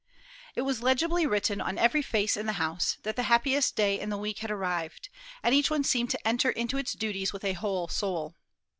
It was legibly written on every face in the house, that the happiest day in the week had arrived, and each one seemed to enter into its duties with a whole soul.